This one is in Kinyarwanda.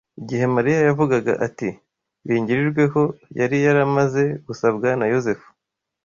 Igihe Mariya yavugaga ati bingirirweho yari yaramaze gusabwa na Yozefu